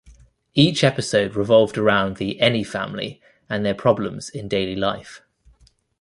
Each episode revolved around the Anyfamily and their problems in daily life.